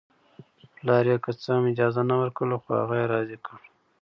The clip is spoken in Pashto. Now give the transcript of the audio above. پلار یې که څه هم اجازه نه ورکوله خو هغه یې راضي کړ